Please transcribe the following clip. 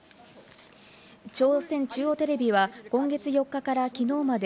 朝鮮中央テレビは今月４日から昨日まで